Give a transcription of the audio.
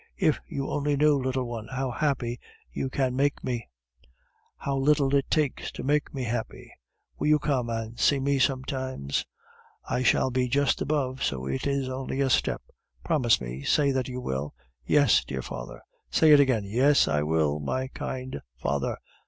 "If you only knew, little one, how happy you can make me how little it takes to make me happy! Will you come and see me sometimes? I shall be just above, so it is only a step. Promise me, say that you will!" "Yes, dear father." "Say it again." "Yes, I will, my kind father."